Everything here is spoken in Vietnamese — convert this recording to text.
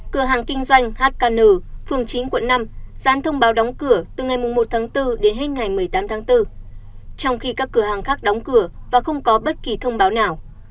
cửa hàng kinh doanh hkn phường chín quận năm gián thông báo đóng cửa từ ngày một tháng bốn đến hết ngày một mươi tám tháng bốn trong khi các cửa hàng khác đóng cửa và không có bất kỳ thông báo nào